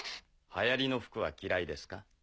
流行りの服は嫌いですか？